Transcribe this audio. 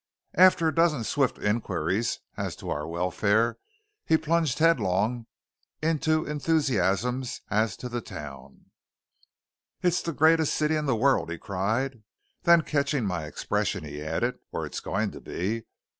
After a dozen swift inquiries as to our welfare, he plunged headlong into enthusiasms as to the town. "It's the greatest city in the world!" he cried; then catching my expression, he added, "or it's going to be.